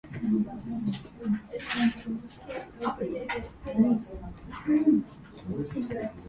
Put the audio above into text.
その人は流れのほとりに植えられた木、時が来れば実を結び、葉もしおれることがなく、その業はみな生い茂る